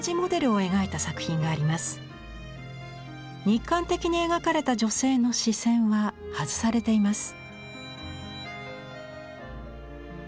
肉感的に描かれた女性の視線は外されています。